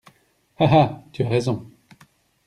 Ha ha, tu as raison.